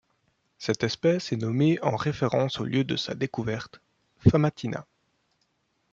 Cette espèce est nommée en référence au lieu de sa découverte, Famatina.